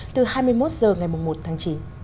từ hai mươi một h ngày một tháng chín